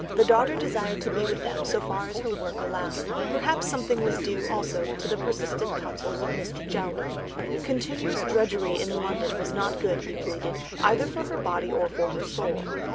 The daughter desired to be with them so far as her work allowed. Perhaps something was due also to the persistent counsels of Mr. Jowett. Continuous drudgery in London was not good, he pleaded, either for her body or for her soul.